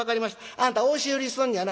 あんた押し売りすんのやな。